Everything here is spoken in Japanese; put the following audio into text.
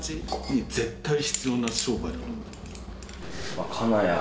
まあ金谷